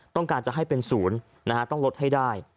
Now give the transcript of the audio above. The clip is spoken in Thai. ต้องการจะให้เป็นศูนย์ต้องลดให้ได้